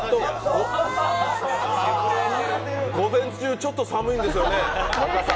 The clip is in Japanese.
午前中、ちょっと寒いんですよね、赤坂。